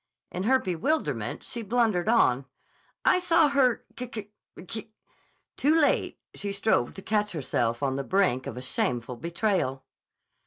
In her bewilderment she blundered on. "I saw her k k k " Too late she strove to catch herself on the brink of a shameful betrayal.